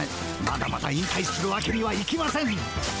まだまだ引たいするわけにはいきません。